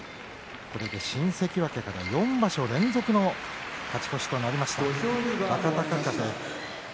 これで新関脇が４場所連続の勝ち越しとなりました若隆景。